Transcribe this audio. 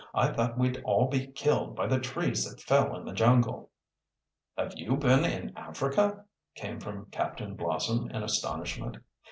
"I thought we'd all be killed by the trees that fell in the jungle." "Have you been in Africa?" came from Captain Blossom in astonishment.